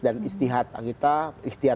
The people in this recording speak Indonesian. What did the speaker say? dan istihad kita